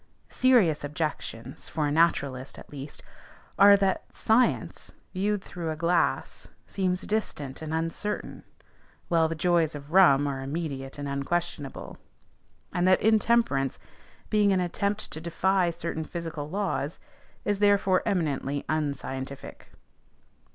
Serious objections, for a naturalist at least, are that science, viewed through a glass, seems distant and uncertain, while the joys of rum are immediate and unquestionable; and that intemperance, being an attempt to defy certain physical laws, is therefore eminently unscientific.